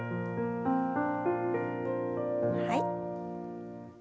はい。